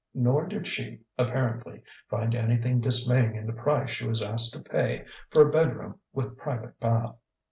Nor did she, apparently, find anything dismaying in the price she was asked to pay for a bedroom with private bath.